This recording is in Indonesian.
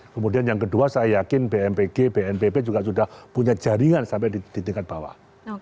kemudian yang kedua saya yakin bmpg bnpb juga sudah punya jaringan sampai di tingkat bawah